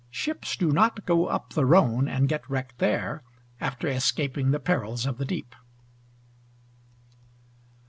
Ships do not go up the Rhone, and get wrecked there, after escaping the perils of the deep.